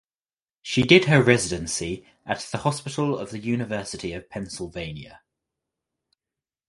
She did her residency at the Hospital of the University of Pennsylvania.